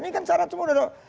ini kan syarat semua